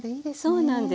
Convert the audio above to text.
そうなんですね。